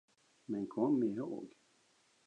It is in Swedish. Men kom ihåg!